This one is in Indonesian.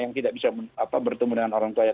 yang tidak bisa bertemu dengan orang tuanya